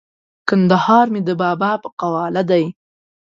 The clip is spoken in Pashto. کندهار مې د بابا په قواله دی!